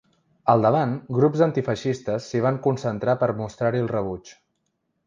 Al davant, grups antifeixistes s’hi van concentrar per mostrar-hi el rebuig.